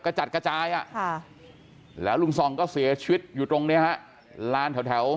กระจัดกระจายแล้วลุงส่องก็เสียชีวิตอยู่ตรงนี้ฮะลานแถว